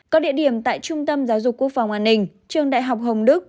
có địa điểm tại trung tâm giáo dục quốc phòng an ninh trường đại học hồng đức